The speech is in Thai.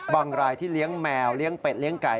รายที่เลี้ยงแมวเลี้ยงเป็ดเลี้ยงไก่